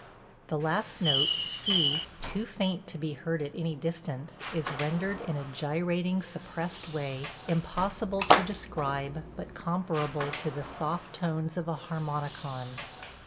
"The last note, C, too faint to be heard at any distance, is rendered in a gyrating, suppressed way, impossible to describe, but comparable to the soft tones of a harmonicon.